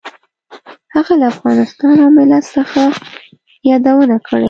هغه له افغانستان او ملت څخه یادونه کړې.